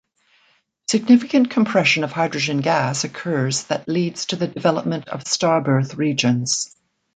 Significant compression of hydrogen gas occurs that leads to the development of starbirth regions.